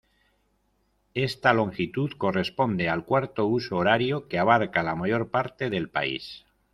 Esta longitud corresponde al cuarto huso horario, que abarca la mayor parte del país.